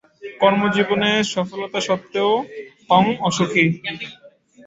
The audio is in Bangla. কর্মজীবনে সফলতা সত্ত্বেও হং অসুখী।